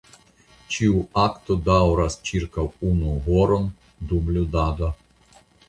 Ĉiu akto daŭras ĉirkaŭ unu horon dum ludado.